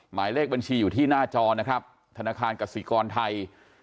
หมายเลขบัญชีอยู่ที่หน้าจอนะครับธนาคารกสิกรไทย